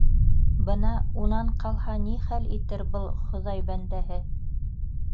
Бына унан ҡалһа ни хәл итер был Хоҙай бәндәһе?